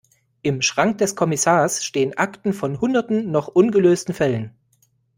Im Schrank des Kommissars stehen Akten von hunderten noch ungelösten Fällen.